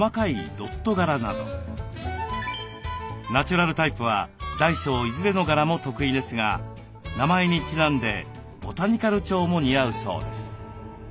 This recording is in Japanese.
ナチュラルタイプは大小いずれの柄も得意ですが名前にちなんでボタニカル調も似合うそうです。